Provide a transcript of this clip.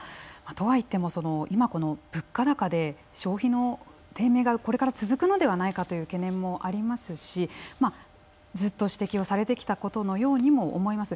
とはいっても今はこの物価高で消費の低迷がこれから続くのではないかという懸念もありますしずっと指摘をされてきたことのようにも思います。